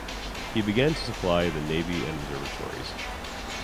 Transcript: He began to supply to the navy and observatories.